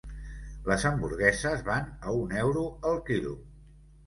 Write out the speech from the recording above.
Les hamburgueses van a un euro el quilo.